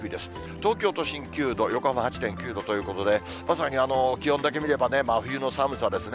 東京都心９度、横浜８．９度ということで、まさに気温だけ見ればね、真冬の寒さですね。